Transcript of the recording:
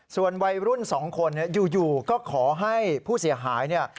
ส่วนวัยรุ่นสองคนอยู่ก็ขอให้ผู้เสียหาย